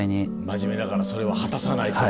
真面目だからそれを果たさないと。